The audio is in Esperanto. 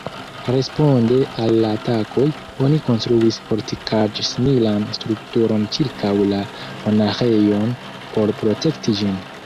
Responde al la atakoj, oni konstruis fortikaĵ-similan strukturon ĉirkaŭ la monaĥejon, por protekti ĝin.